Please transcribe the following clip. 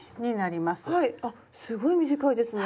はいあっすごい短いですね。